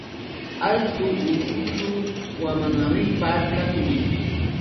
Altu urqućhu wamanripa kanmi.